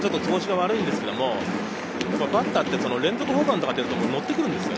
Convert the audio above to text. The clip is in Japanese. ここ数日、調子が悪いんですけど、バッターって連続ホームランが出るとのって来るんですよ。